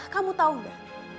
kamu tahu gak